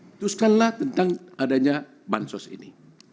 putuskanlah tentang adanya bansos ini